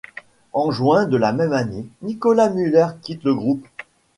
En juin de la même année Nicolas Muller quitte le groupe.